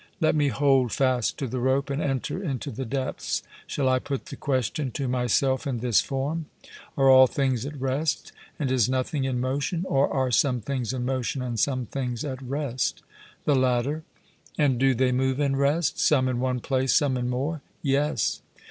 Let me hold fast to the rope, and enter into the depths: Shall I put the question to myself in this form? Are all things at rest, and is nothing in motion? or are some things in motion, and some things at rest? 'The latter.' And do they move and rest, some in one place, some in more? 'Yes.'